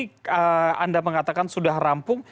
tadi anda mengatakan sudah rampung